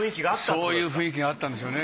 そういう雰囲気があったんでしょうね。